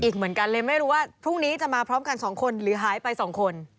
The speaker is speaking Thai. อีกเหมือนกันเลยไม่รู้ว่าพรุ่งนี้จะมาพร้อมกัน๒คนหรือหายไป๒คน